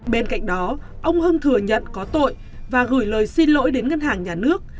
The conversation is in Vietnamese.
bên cạnh đó ông hưng thừa nhận có tội và gửi lời xin lỗi đến ngân hàng nhà nước